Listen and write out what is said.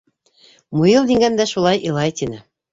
— Муйыл еңгәм дә шундай илай, — тине.